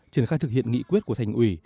trường khai thực hiện nghị quyết của thành ủy